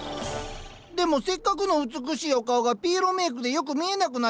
でもせっかくの美しいお顔がピエロメイクでよく見えなくなっちゃったね